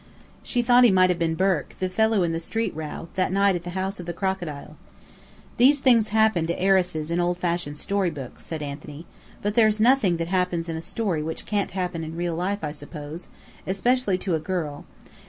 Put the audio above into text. "She thought he might have been Burke, the fellow in the street row, that night at the House of the Crocodile." "These things happen to heiresses in old fashioned story books," said Anthony. "But there's nothing that happens in a story which can't happen in real life, I suppose especially to such a girl.